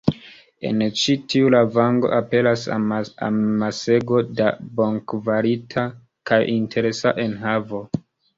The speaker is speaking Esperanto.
En ĉi tiu lavango aperas amasego da bonkvalita kaj interesa enhavo.